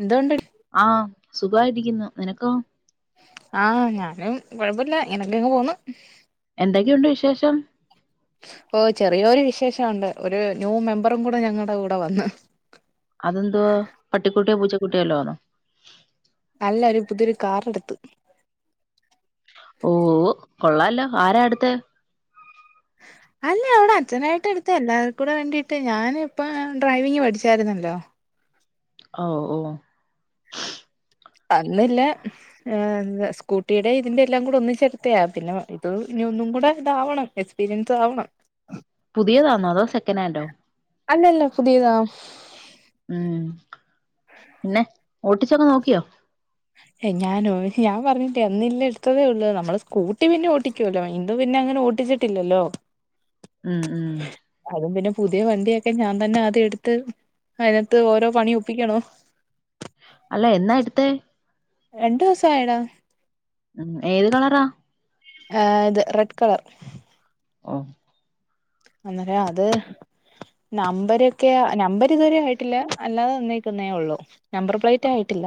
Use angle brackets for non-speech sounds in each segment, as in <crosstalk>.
എന്തോ ഒണ്ട് ആഹ്‌ സുഖായിരിക്കുന്നു നിനക്കോ ആഹ്‌ ഞാനും കൊഴപ്പല്ല ഇങ്ങനെക്കങ്ങ് പോവ്ന്നു എന്തൊക്കെയൊണ്ട് വിശേഷം ഓ ചെറിയൊരു വിശേഷവൊണ്ട് ഒരു ന്യൂ മെമ്പറും കൂടെ ഞങ്ങടെ കൂടെ വന്ന് അതെന്തുവാ പട്ടിക്കുട്ടിയോ പൂച്ചക്കുട്ടിയോ വല്ലോം ആണോ അല്ല ഒരു പുതിയൊരു കാറെടുത്ത് ഓ വ് കൊള്ളാല്ലോ ആരാ എടുത്ത് അല്ല ഇവിടെ അച്ഛനായിട്ട് എടുത്തതാ എല്ലാർക്കൂടെവേണ്ടിട്ട് ഞാനിപ്പം ആഹ് ഡ്രൈവിംഗ് പഠിച്ചാര്ന്നല്ലോ അവ് ഓ അന്നില്ലെ ആഹ് എന്താ സ്കൂട്ടീടേം ഇതിന്റേം എല്ലാം കൂട ഒന്നിച്ചെടുത്ത് ഞാൻ പിന്ന ഇത് ഇനി ഒന്നും കൂടെ ഇതാവണം എസ് പീരിയൻസ് ആവണം പുതിയതാന്നോ അതോ സെക്കനാൻഡോ അല്ലല്ല പുതിയതാ ഉം പിന്നെ ഓട്ടിച്ചൊക്കെ നോക്കിയോ ഹേയ് ഞാനോ ഞാൻ പറഞ്ഞിട്ടേ അന്നില്ലേ എടുത്തതേ ഒള്ളു നമ്മള് സ്കൂട്ടി പിന്നെ ഓട്ടിക്കുവല്ലോ ഇത് പിന്നെ അങ്ങനെ ഓട്ടിച്ചി ട്ടില്ലല്ലോ ഉം ഉം അതും പിന്നെ പുതിയ വണ്ടിയൊക്കെ ഞാൻ തന്നെ ആദ്യം എടുത്ത് അതിനത്ത് ഓരോ പണിയൊ പ്പിക്കണോ അല്ല എന്നാ എട്ത്തേ രണ്ട് ദിവസ ആയെടാ ഉം ഏത് കളറാ ആഹ് ഇത് റെഡ് കളർ ഓ അന്നേരം അത് നമ്പരൊക്കെ നമ്പ ട്ടിതുവരെ ആയിട്ടില്ല അല്ലാതെ തന്നേക്കുന്നേ ഉള്ളൂ നമ്പർ പ്ലേറ്റ് ആയിട്ടില്ല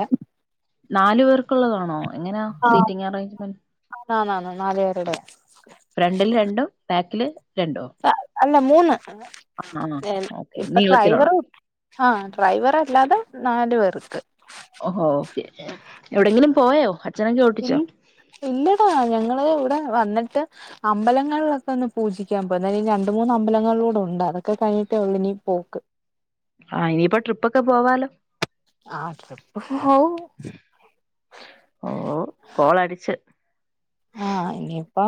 നാലു പേർക്കുള്ളതാണോ എങ്ങനാ സീറ്റിംഗ് അറേഞ്ച്മെന്റ് ആണ് ന്നാന്നാണ് നാല് പേരുടെ ഫ്രണ്ടില് രണ്ടും ബാക്കില് രണ്ടോ അല്ല മൂന്ന് ആഹ് ഓക്കെ ഇപ്പൊ നീളത്തിലുള്ള ഡ്രൈവർ ആഹ് ഡ്രൈവർ അല്ലാതെ നാല്ലൂ പേർക്ക് ഓഹോ ഓക്കേ എവിടെങ്കിലും പോയോ അച്ഛനൊക്കെ ഓട്ടിച്ചോ ഇല്ലടാ ഞങ്ങള് ഇവിടെ വന്നിട്ട് അമ്പലങ്ങളിലൊക്കെ ഒന്ന് പൂജിക്കാൻ പോാല രണ്ട മൂന്ന് അമ്പലങ്ങളിലൂടെ ഉണ്ട് അതൊക്കെ കഴിഞ്ഞിട്ട് ഉള്ളിനി പോക്ക് ആഹ് ഇനിപ്പോ ട്രിപ്പൊക്കെ പോവാലോ ആഹ് ട്രിപ്പ് പോവും ഓ കോളടിച്ച് ആഹ് ഇനിയിപ്പ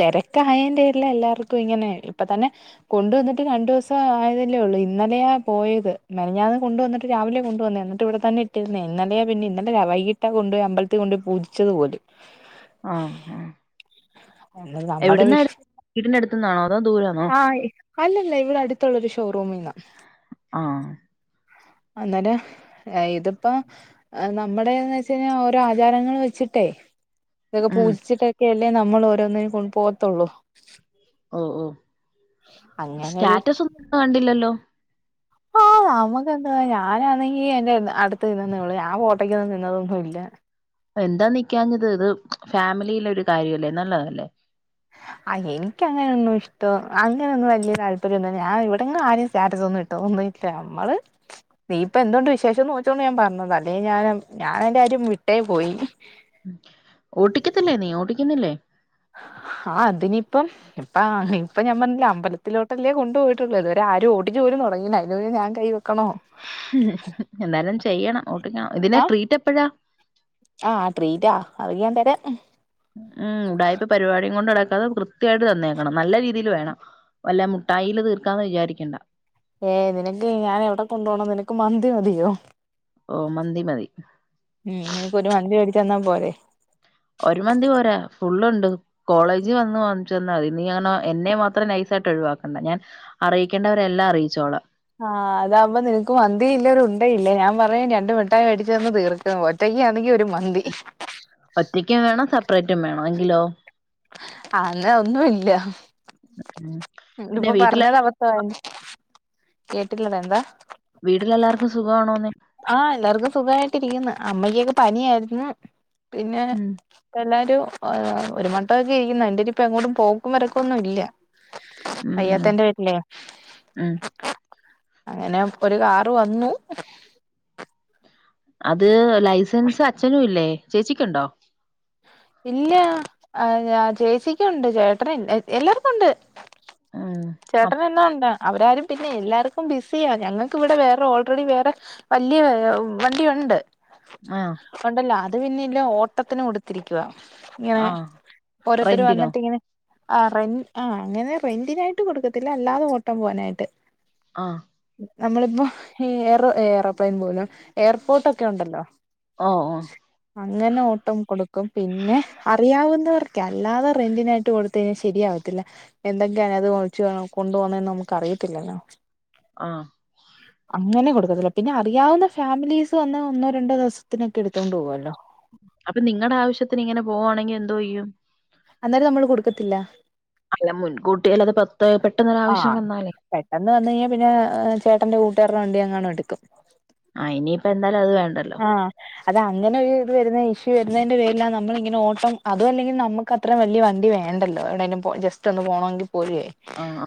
തിരക്ക ആയേന്റെരില്ല എല്ലാർക്കും ഇങ്ങനെ ഇപ്പൊ തന്നെ കൊണ്ടുവന്നിട്ട് രണ്ട ദിവസം ആയതല്ലേ ഉള്ളൂ ഇന്നലെയാ പോയത് മെഞന്ന് കൊണ്ടുവന്നിട്ട് രാവിലെ കൊണ്ടുവന്ന എന്നിട്ട് ഇവിടെ തന്നെ പിന്നെ ഇന്നലെയാ പിന്നെ ഇന്നലെ വൈകിട്ട കൊണ്ട്പയി അമ്പലത്തി കൊ പോയിൂജിച്ചതു പോലും ആഹ് ആഹ് എന്ന നമ്മുടെ എവിടുന്നാ എടു വിഷ് വീടിന്റെ അടുത്തുന്നാണോ അതോ ദൂരാന്നോ ആയ് അല്ലല്ല ഇവിടെ അടുത്തുള്ളരു ഷോറൂമന്ന ആഹ് അന്നേരം ഇതിപ്പോ നമ്മുടെന്ന് വെച്ച കഴിഞ്ഞാൽ ഓ ഓരോ ആചാരങ്ങൾ വെച്ചിട്ടേ ഇതൊക്കെ ഉം പൂജിച്ചിട്ടൊക്കെ അല്ലേ നമ്മൾ ഓരോന്നിനും കൊണ്ട പോകത്തുള്ളൂ ഓ ഓ അങ്ങനൊരു സ്റ്റാറ്റസ് ഒന്നും കണ്ടില്ലല്ലോ ആഹ് നമ്മുക്ക് ഓക്ക് ഞാനാണെങ്കി എന്റെ അടുത്ത് നിന്നന്നേള്ള ഞാ പോട്ടക്ക്ന്ന് നിന്നതൊന്നും ഇല്ല എന്താ നിക്കാഞ്ഞത് ഇത് ഫാമിലിയിലെ ഒരു കാര്യം അല്ലേ നല്ലതല്ലേ ആ എനക്ക്ങ്ങനെയൊന്നും ഇഷ്ട അങ്ങനൊന്നും വലിയ താല്പര്യംന്ന ഞാൻ ഇവിടെ ആരും സ്റ്റാറ്റസ് ഒന്നുമിട്ടില്ല ല്ല നമ്മള് നീ ഇപ്പൊ എന്തുൊണ്ട് വിശേഷം നോച്ചോണ്ട് ഞാൻ പറഞ്ഞത് അല്ലെ ഞൻ ഞാന എൻന്റൊര് വിട്ടേ പോയി ഓട്ടിക്കത്തില്ലേ നീ ഓട്ടിക്കുന്നില്ലേ ആഹ് അതിനിപ്പം ഇപ്പ ഇപ്പ ഞാൻ പറഞ്ഞില്ല അമ്പലത്തിലോട്ട് പട്ടല്ലേ കൊണ്ട പോയിട്ടുള്ളത് ഒരും ഓടിു പോലും തുടങ്ങില്ല അതിന ഞാൻ കൈ വെക്കണോ ഉം എന്താലും ചെയ്യണം ഓട്ടിക്കണം ഇതിനെ ആഹ് ട്രീറ്റ് എപ്പോഴാ ആഹ് ട്രീറ്റ്‌ അത ഞാൻ തരാം ഉം ഉടായിപ്പൊ പരിപാടും കൊണ്ട് നടക്കാതെൃ വൃയായിട്ട് തന്നേക്കണം നല്ല രീതിയിൽ വേണം വല്ല മുട്ടായിൽ തീർക്കാന്ന് വിചാരിക്കേണ്ട ഏയ് നിനക്ക് ഞാൻ എവിടെ കൊണ്ട പോണം നിനക്ക് മന്തി മതിയോ ഓഹ് മന്തി മതി ഉം നിനക്ക് ഒരു മന്തി മേടിച്ചു തന്നാ പോരെ ഒരു മന്തി പോരാ ഫുള്ളുണ്ട് കോളേജ് വന്ന് വന്നന്നാ മതി നീ അങ്ങന എന്നെ അത്ര നൈസയിട്ട് ഒഴിവാക്കണ്ട ഞൻ അറീയിക്കെണ്ടവരെല്ലാം അറിയിച്ചോള ആഹ് അതാബോ നിനക്ക് മന്തി ഇല്ലരു ഉണ്ട ഇല്ല ഞാൻ പറയും രണ്ട മിട്ടായി മേടിച്ചു തന്ന് തീർക്ക. ഒറ്റക്ക ആണെങ്കി ഒരു മന്തി. ഒറ്റയ്ക്കും വേണം സെപ്പറേറ്റും വേണം എങ്കിലോ ആന്ന ഒന്നുംഇല്ല ഉം പിന്നെ ഇതിപ്പോ വീട്ടിലെ പറഞ്ഞത് അബത്തായല്ലോ. കേട്ടില്ലതന്താ. വീട്ടിലെല്ലാർക്കും സുഖമാണോന്ന്. ആഹ് എല്ലാർക്കും സുഖമായിട്ടി രിക്കുന്ന് അമ്മക്കൊക്കെ പനിയായിരുന്നു പിന്നെ. ഉം ഇപ്പ എല്ലാരും ഒരുമട്ടൊക്കെ ഇരിക്കുന്ന് എന്റെനി ഇപ്പ എങ്ങോട്ടും പോക്കുമും വരൊക്ക ഒന്നുംല്ല. ഉം അയ്യത്ത എന്റെ വീട്ടിലേ. ഉം അങ്ങനെ ഒരു കാറ് വന്നു. അത് ലൈസൻസ് അച്ഛനും ഇല്ലേ ചേച്ചിക്ക്ണ്ടോ. ഇല്ല അഹ് അ ചേച്ചിക്കുണ്ട് ചേട്ടന് ഇ എല്ലാവർക്കുണ്ട്. ആഹ്. ചേട്ടനെന്നാ ഉണ്ട് അവരാരും പിന്നെ എല്ലാവർക്കും ബിസിയാ ഞങ്ങക്ക് ഇവടെ വേറെ ഓൾറെഡി വേറെ. വല്ല്യ എ ഉ വണ്ടിയുണ്ട്. ആഹ്. കൊണ്ടല്ലാ അത് പിന്നെ ഇല്ല ഓട്ടത്തിന് കൊടു തിരിക്കുവ ഇങ്ങനെ ആഹ് ഓരോത്തര് റെന്റിനോ വന്നിട്ട് ഇങ്ങനെ. ആ റെൻ ആ അങ്ങനെ റെന്റിനായിട്ട് കൊടുക്കത്തില്ല അല്ലാതെ ഓട്ടം പോവാനായിട്ട്. ആഹ്. നമ്മളിപ്പോ ഏറ് ഏറോപ്ലെയിൻ പോലും. എയർപോട്ടൊക്കെ ഉണ്ടല്ലോ. ഓ ഓ അങ്ങനെ ഓട്ടം കൊടുക്കും പിന്നെ അറിയാവുന്നവർക്ക് അല്ലാതെ റെന്റിനായിട്ട് കൊടു ത്തയ്ഞ്ഞ ശരിയാവത്തില്ല എന്തൊക്കെയാണ് അത് ഒൽച്ച് പോണ കൊണ്ട പോന്നന്ന് നമുക്ക് അറിയത്തില്ലല്ലോ. ആഹ്. അങ്ങനെ കൊടുക്കതൊള്ളൂ പിന്നെ അറിയാവുന്ന ഫാമിലീസ് വന്ന ഒന്നോ രണ്ടോ ദിവസം. ത്തിനൊക്കെ എടുതോണ്ട് പോവ്വല്ലോ. അപ്പ നിങ്ങടാവശ്യത്തിന് ഇങ്ങനെ പോവ്വാണെങ്കി എന്തോ ചെയ്യും. അന്നേരം നമ്മള് കൊടുക്കത്തില്ല അല്ല മുൻകൂട്ടി അല്ലത് പെത്തെ ആഹ് പെട്ടെന്നൊരാവശ്യം വന്നാലെ. പെട്ടെന്ന് വന്ന് കയ്ഞ്ഞാ പിന്നെ ചേട്ടന്റെ കൂട്ടുകാരടെ വണ്ടി അങ്ങണും എടുക്കും. ആ ഇനിയിപ്പൊ എന്താല് അത് വേണ്ടൽ ആഹ് അത് അങ്ങനെ ഒരു ഇത് വരുന്ന ഇഷ്യൂ വരുന്നതിന്റെ പേരില നമ്മളിങ്ങനെ ഓട്ടം അതു അല്ലെങ്കിൽ നമ്മക്ക ത്ര വല്ല്യ വണ്ടി വേണ്ടല്ലോ എവിടെലും പോ ജസ്റ്റ് ഒന്ന് പോണോങ്കി പോലുയെ. ആഹ്.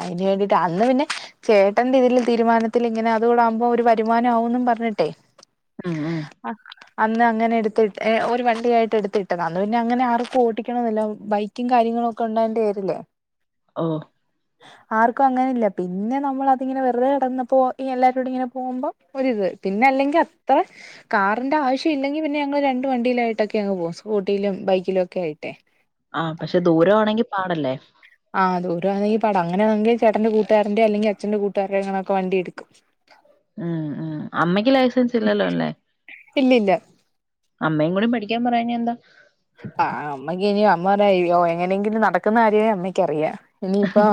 അയ്ന് വേണ്ടിട്ട് അന്ന് പിന്നെ ചേട്ടന്റെ ഇതിൽ തീരുമാന ത്തില്ങ്ങനെ അതുകൂടെ ആവുമ്പോ ഒരു വരുമാനംമാവുംന്ന്പറഞ്ഞിട്ടേ. ഉം ഉം. അ. അന്ന് അങ്ങനെ എടുത്തിട്ട് ഏ ഒരു വണ്ടിയായിട്ട് എടുത്തിട്ടതാ അന്ന് പിന്നെ അങ്ങനെ ആർക്കും ഓട്ടിക്കണന്നില്ലാ ബൈ ക്കിം കാര്യങ്ങളും ഒക്കെ ഉണ്ടായിണ്ടേരിലേ. ഓഹ്. ആർക്കു അങ്ങനല്ല പിന്നെ നമ്മളതിങ്ങനെ വെറ്തെ കെടന്നപ്പോ ഈ എല്ലാരോടിങ്ങനെ പോകുമ്പ. ഒരിത് പിന്നെ അല്ലെങ്കി അത്ര കാറിന്റെ ആവശ്യം ഇല്ലെങ്കി പിന്നെ ഞങ്ങള് രണ്ട് വണ്ടിയിലായി ട്ടക്കെയങ് പോവും സ്കൂട്ടിയിലും ബൈക്കിലും ഒക്കെ ആയിട്ടേ. ആഹ് പക്ഷെ ദൂര ആണെങ്കി പാടല്ലേ? ആഹ് ദൂരാണെങ്കി പാട അങ്ങനാണങ്കി ചേട്ടന്റെ കൂട്ടുകാരന്റെ അല്ലെങ്കി അച്ഛന്റെ കൂകാരടെ അങ്ങെയൊക്കെ വണ്ടി എടുക്കും. ആഹ് ആഹ് അമ്മയ്ക്ക് ലൈസൻസ് ഇല്ലല്ലോ അല്ലേ. ഇല്ലില്ല. അമ്മയും കൂടി പഠിക്കാൻ പറയാഞ്ഞ എന്താ. ആഹ് അമ്മയ്ക്ക് ഇനി അമ്മ പറയാ യ്യോ എങ്ങനെയെങ്കിലും നടക്കുന്ന കാര്യേ അമ്മക്ക് അറിയ. ഇനീപ്പോ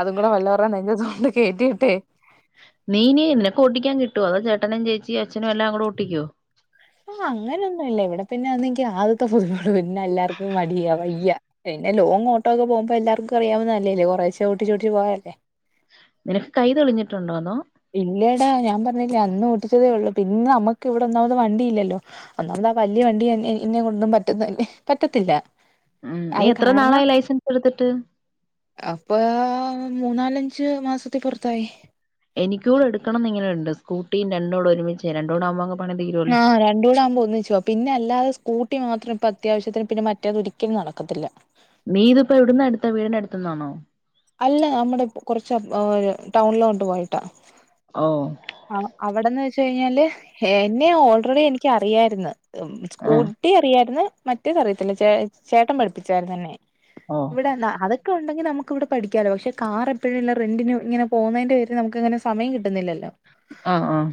അതും കൂടെ വല്ലവര്ടേം നെഞ്ചത്ത് കൊണ്ട് കേറ്റിട്ടേയ്. നീ ഇനി നിനക്ക് ഓട്ടിക്കാൻ കിട്ടോ അതോ ചേട്ടനും ചേച്ചീ അച്ഛനും എല്ലാം കൂടി ഓട്ടിക്ക്യോ. ആഹ് അങ്ങനെ ഒന്നുല്ല ഇവടെ പിന്നെ ഒന്നങ്കി ആദ്യത്തെ പുതുമൊള്ളൂ പിന്നല്ലാർക്കും മടിയാ വയ്യ. പിന്നെ ലോങ് ഓട്ടോ ഒക്കെ പോകുമ്പോ എല്ലാർക്കും അറിയാവുന്നല്ലേ ത് കുറേശെ ഓട്ടിച്ചോടിച്ച് പോയല്ലേ. നിനക്ക് കൈ തെളിഞ്ഞിട്ടുണ്ടോന്നോ. ഇല്ലെടാ ഞാൻ പർഞ്ഞില്ലേ അന്ന് ഓട്ടിച്ചതേ ഒള്ളൂ പിന്നെ നമ്മക്ക് ഇവടെ ഒന്നാമത് വണ്ടി ഇല്ലല്ലോ ഒന്നാമത് ആ വല്ല്യ വണ്ടി എന്നെ എന്നേ കൊണ്ടൊന്നും പറ്റ പറ്റത്തില്ല ഉം നീ അത് എത്ര കാരണം നാളായി ലൈസൻസ് എടുത്തിട്ട് അപ്പ മൂന്നാലഞ്ച് മാസത്തി പൊർത്തായി എനിക്കൂടെട്ക്കണം ന്നിങ്ങനെണ്ട് സ്കൂട്ടീം രണ്ടൂടെ ഒരുമിച്ച് രണ്ടൂടെ ആവുമ്പങ്ങ് ആ രണ്ടൂടാകുമ്പോ ഒന്നിച്ചുപോവം പിന്നെ അല്ലാതെ സ്കൂട്ടി മാത്രം ഇപ്പ അത്യാവശ്യത്തിന് പിന്നെ മറ്റേത് ഒരിക്കലും നടക്കത്തില്ല. നീ ഇത്പ്പോ എവിട്ന്നാ എടുത്തേ വീടിന്റെ അട്ത്ത് ന്നാന്നോ അല്ല നമ്മടെ പ്പ് കൊർച്ച് ഒര് ടൗൺലോട്ട് പോയ്ട്ടാ ഓ ആ അവടെന്ന് വെച്ച് കഴിഞ്ഞാല് എന്നെ ഓൾറെഡി എനിക്ക് അറിയാര്ന്ന് ആഹ് സ്കൂട്ടി അറിയാര്ന്ന് മറ്റേത് അറിയത്തില്ല ചേ ചേട്ടം പഠിപ്പിച്ചാര്ന്ന് എന്നെ ഓ ഇവിടെ അതൊക്കെ ഉണ്ടെങ്കി നമുക്ക് ഇവടെ പഠിക്കാലോ പക്ഷെ കാറ് എപ്പഴുള്ള റെന്റിന് ഇങ്ങനെ പോവുന്നേന്റെ പേരില് നമുക്ക് ഇങ്ങനെ സമയം കിട്ടുന്നില്ലല്ലോ ആഹ് ആഹ്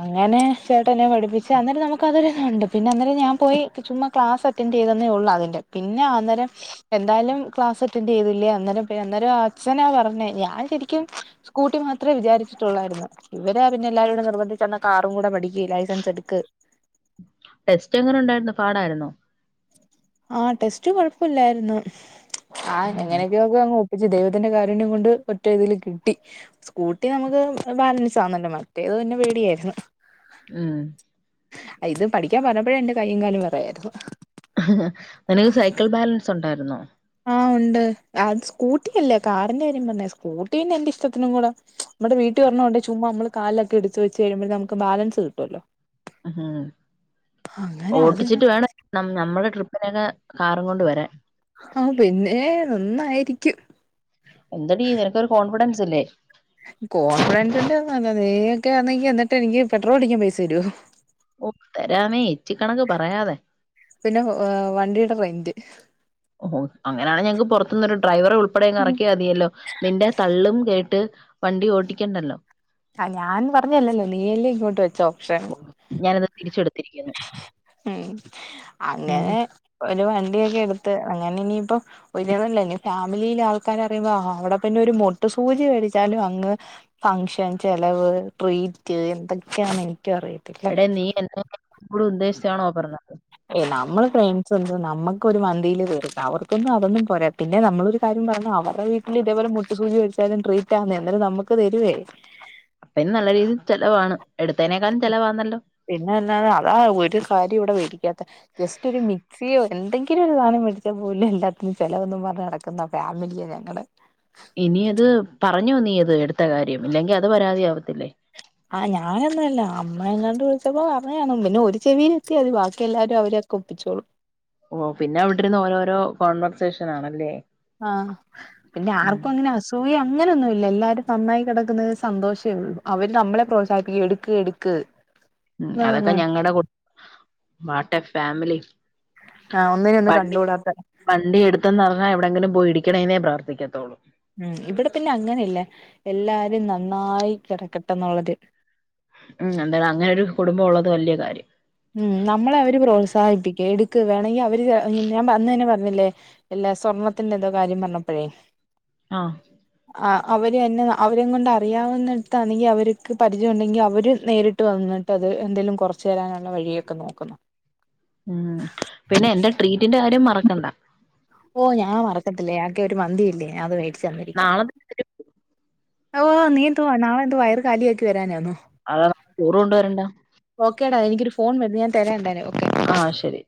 അങ്ങനെ ചേട്ടൻ എന്നെ പഠിപ്പിച്ച അന്നേരം നമുക്ക് അതൊരു ഉണ്ട് പിന്നെ അന്നേരം ഞാൻ പോയി ചുമ്മാ ക്ലാസ് അറ്റന്റയ്തന്നേ ഒള്ളൂ അതിൻ്റെ പിന്നെ അന്നേരം എന്തായാലും ക്ലാസ്സ് അറ്റെന്റെയ്തില്ലേ അന്നേരം അന്നേരം അച്ഛനാ പറഞ്ഞേ ഞാൻ ശരിക്കും സ്കൂട്ടി മാത്രേ വിചാരിച്ചിട്ടൊള്ളായിര്ന്ന്. ഇവരാ പിന്നെ എല്ലാരും കൂടെ നിർബന്ധിച് എന്നാ കാറും കൂടെ പഠിക്ക് ലൈസൻസ് എട്ക്ക് ടെസ്സ് എങ്ങനെ ഉണ്ടായിര്ന്നു പാടാഴിര്ന്നോ ആ ടെസ്റ്റ് കൊഴപ്പല്ലാര്ന്നു ആ എങ്ങനെക്ക്യോ അങ്ങ് ഒപ്പിച്ച് ദൈവത്തിന്റെ കാരുണ്യം കൊണ്ട് ഒറ്റ ഇതില് കിട്ടി സ്കൂട്ടി നമുക്ക് ബാലൻസ് ആന്നല്ലോ മറ്റേത് തന്നെ പേടിയാര്ന്ന്. ഉം ഇത് പഠിക്കാൻ പറഞ്ഞപ്പോഴേ എന്റെ കയ്യും കാലും വെറയായിര്ന്നു നിനക്ക് സൈക്കിൾ ബാലൻസ് ഉണ്ടാര്ന്നോ ആ ഉണ്ട് അത് സ്കൂട്ടി അല്ലേ കാറിന്റെ കാര്യം പർഞ്ഞേ സ്കൂട്ടി പിന്നെ എന്റെ ഇഷ്ട്ടത്തിനും കൂടെ ഇവടെ വീട്ട് ഒരണ്ണോണ്ടെങ്കി ചുമ്മാ നമ്മള് കാലൊക്കെ എടുത്ത് വെച്ച് കഴിഴുമ്പഴക്ക് നമുക്ക് ബാലൻസ് കിട്ടുവല്ലോ അതിന് ഓട്ടിച്ചിട്ട് വേണം ന ഞമ്മളെ ട്രിപ്പിനെക്കെ കാറും കൊണ്ട് വരാൻ ആ പിന്നെ നന്നായിരിക്കും എന്തടീ നിനക്കൊരു കോൺഫിഡൻസില്ലേ കോൺഫിടസിന്റെന്നുല്ല നീ ഒക്കെ ആന്നെങ്കി എന്നിട്ട് എനിക്ക് പെട്രോൾ അടിക്കാൻ പൈസ തരോ ഒ തരാന്നേ എച്ചി കണക്ക് പറയാതെ പിന്നെ വണ്ടീടെ റൈറ്റ് അങ്ങനെയാണേ ഞങ്ങക്ക് പൊർത്തുന്നോരു ഡ്രൈവറേ <unintelligible> എറക്കിയാ മതിയല്ലോ നിന്റെ തള്ളും കേട്ട് വണ്ടി ഓട്ടിക്കണ്ടല്ലോ ആ ഞാൻ പർഞ്ഞല്ലല്ലോ നീയല്ലേ ഇങ്ങോട്ട് വെച്ചോ ക്ഷേ ഓ, ഞാനത് തിരിച്ചെടുത്തിരിക്കുന്നു ഉം ഉം അങ്ങനെ ഒരു വണ്ടിയോക്കെ എട്ത്ത് അങ്ങനെ ഇനീപ്പം പിന്നതല്ല ഞ്ഞി ഫാമിലീല് ആൾക്കാരറീമ്പോ അവടെ പിന്നെ ഒരു മൊട്ടു സൂചി വേടിച്ചാലും അങ്ങ് ഫങ്ഷൻ, ചെലവ്, ട്രീറ്റ് എന്തെക്കെയാന്ന് എനിക്കറീ എട നീ എന്നെ കൂടെ ഉദ്ദേശിച്ചാണോ പർഞ്ഞ ഏ നമ്മള് ഫ്രണ്ട്സ് എന്ത് നമ്മക്കൊര് മന്തീല് തീർക്കാ അവർക്കൊന്നും അതൊന്നും പോരാ പിന്നെ നമ്മള ഒരു കാര്യം പറഞ്ഞു അവര്ടെ വീട്ടില് ഇതേപോലെ മൊട്ട് സൂചി വച്ചാലും ട്രീറ്റാന്നേ അന്നേരം നമ്മക്ക് തരുവേ <inaudible> അപ്പ ഇനി നല്ല രീതിയില് ചെലവാണ് എടുത്തേനേക്കാളും ചെലവാന്നല്ലോ. പിന്നെന്താന്നേ അതാ ഒര് കാര്യേം ഇവടെ വേടിക്കാത്തെ ജസ്റ്റ് ഒരു മിക്സിയോ എന്തെങ്കിലും ഒരു സാനം മേടിച്ചാ പോലും എല്ലാത്തിനും ചെലവെന്നും പറഞ്ഞ് നടക്കുന്ന ഫാമിലിയാ ഞങ്ങടേ. ഇനി അത് പറഞ്ഞോ നീയത് എടുത്ത കാര്യം, ഇല്ലെങ്കീ അത് പരാതിയാവത്തില്ലേ. ആഹ് ഞാനൊന്നും അല്ല അമ്മ എങ്ങാണ്ട് വിളിച്ചപ്പോ പറഞ്ഞാണ് പിന്നെ ഒരു ചെവീല് മതി ബാക്കി എല്ലാരും അവരെയൊക്കെ ഒപ്പിച്ചോളും. ഓ പിന്നെ അവിടെ ഇരുന്ന് ഓരോരോ കോൺവെർസേഷൻ ആണല്ലേ. ആഹ്. പിന്നെ ഉം ആർക്കും അങ്ങനെ അസൂയ അങ്ങനെന്നുവില്ല എല്ലാരും നന്നായി കെടക്കുന്നതീ സന്തോഷേ ഉള്ളു. അവര് നമ്മളെ പ്രോത്സാഹിപ്പിക്കും എടുക്ക് എടുക്ക് ഉം എന്ന് അതൊക്കെ പറഞ്ഞ് ഞങ്ങളടെ കുട് വാട്ടെ ഫാമിലി. ആഹ് ഒന്നിന് ഒന്നും വണ്ടി കണ്ടൂടാത്തെ. വണ്ടി എട്ത്തെന്നറിഞ്ഞാ എവിടെങ്കിലും പോയി ഇടിക്കണേന്നേ പ്രാർത്ഥിക്കത്തൊള്ളൂ. ഉം ഇവിടെ പിന്നെ അങ്ങനേല്ല എല്ലാരും നന്നായി കെടക്കട്ടേന്നൊള്ളൊര് ഉം എന്തായാലും അങ്ങനൊരു കുടുംബം ഒള്ളത് വല്ല്യ കാര്യം. ഉം നമ്മളെ അവര് പ്രോത്സാഹിപ്പിക്കും എടുക്ക് വേണെങ്കി അവര് ഞാൻ വന്ന് തന്നെ പറഞ്ഞില്ലേ ഇല്ല സ്വർണ്ണത്തിന്റെത്നോ കാര്യം പറ്ഞ്ഞപ്പഴേ ആഹ്. <inaudible> ആഹ് അവര് എന്നെ അവരേങ്ങൊണ്ട് അറിയാവുന്നെടത്താണെങ്കീ അവര്ക്ക് പരിചയം ഉണ്ടെങ്കീ അവര് നേരിട്ട് വന്ന് അത് എന്തെലും കൊറച്ച് തരാനുള്ള വഴിയൊക്കെ നോക്കുന്ന് ഉം പിന്നെ എന്റെ ട്രീറ്റിന്റെ കാര്യം മറക്കണ്ട. ഓ ഞാൻ മറക്കത്തില്ലേ ആകെ ഒര് മന്തിയല്ലേ അത് വേട് നാളെ <unintelligible> ഓ നീ എന്തുവാ നാളെയെത്നാ വയറ് കാലിയാക്കി വരാനാന്നോ? അതാ ചോറ് കൊണ്ടുവരണ്ട ഓക്കെടാ എനിക്കൊരു ഫോൺ വര്ന്ന് ഞാൻ തരാ എന്തായലും ഓക്കെ. ആഹ് ശെരി.